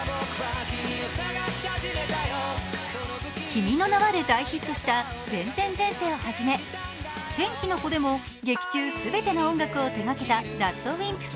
「君の名は」で大ヒットした「前前前世」をはじめ、「天気の子」でも劇中すべての音楽を手がけたＲＡＤＷＩＭＰＳ。